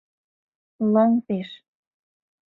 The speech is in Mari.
Лоҥ — пеш.